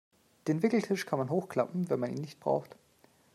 Den Wickeltisch kann man hochklappen, wenn man ihn nicht braucht.